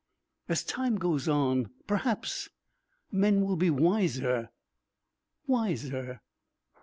"As time goes on perhaps men will be wiser.... Wiser....